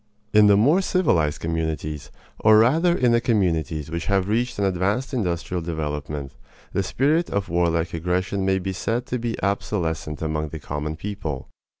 In the more civilized communities, or rather in the communities which have reached an advanced industrial development, the spirit of warlike aggression may be said to be obsolescent among the common people.